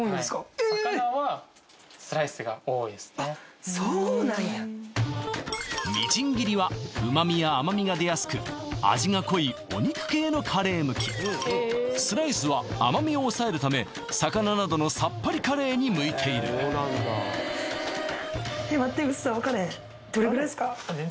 ええっそうなんやみじん切りは旨みや甘みが出やすく味が濃いお肉系のカレー向きスライスは甘みを抑えるため魚などのさっぱりカレーに向いているえっ待って薄さ分からへんどれぐらいですか？